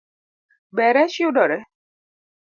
Be rech yudore?